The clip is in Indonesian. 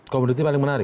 komoditi paling menarik